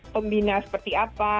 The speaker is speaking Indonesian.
pembina seperti apa